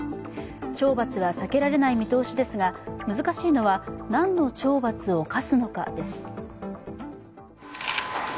懲罰は避けられない見通しですが、難しいのは何の懲罰を科すのかです。